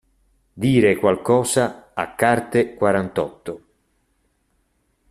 Dire qualcosa a carte quarantotto.